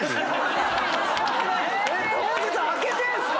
当日空けてんすか⁉